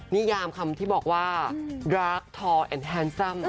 ตามคำที่บอกว่ารักทอแอนด์แฮนซ์ซอม